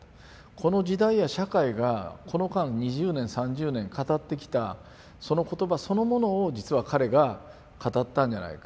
この時代や社会がこの間２０年３０年語ってきたその言葉そのものを実は彼が語ったんじゃないか。